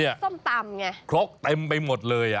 ก็ส้มตำไงเนี่ยครกเต็มไปหมดเลยอ่ะ